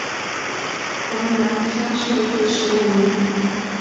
河南乡试第十五名。